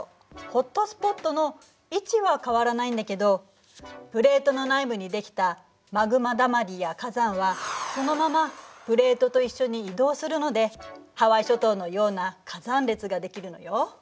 ホットスポットの位置は変わらないんだけどプレートの内部にできたマグマだまりや火山はそのままプレートと一緒に移動するのでハワイ諸島のような火山列ができるのよ。